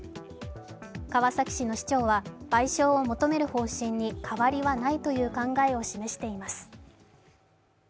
川崎市の市長は、賠償を求める方針に変わりはないという考えを示しています。